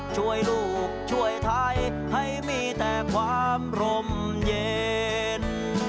ช่วยลูกช่วยไทยให้มีแต่ความร่มเย็น